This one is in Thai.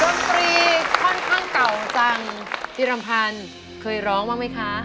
กล้องกลีค่อนข้างเก่าจังพี่รำพานเคยร้องมากมั้ยคะ